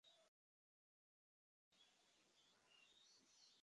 তার কমান্ডার নিযুক্ত করা হয় মহাবীর হযরত খালিদ রাযিয়াল্লাহু আনহু-কে।